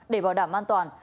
để bảo đảm an toàn